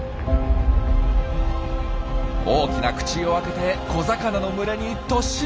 大きな口を開けて小魚の群れに突進。